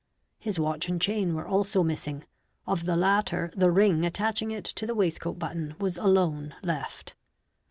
His watch and chain were also missing, of the latter the ring attaching it to the waistcoat button was alone left.